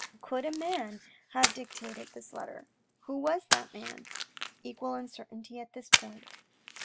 Could a man have dictated that letter ? Who was that man ? Equal uncertainty on this point.